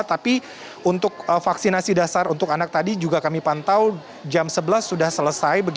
tapi untuk vaksinasi dasar untuk anak tadi juga kami pantau jam sebelas sudah selesai